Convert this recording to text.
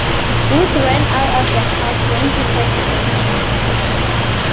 Woods ran out of the house when he heard the gunshots.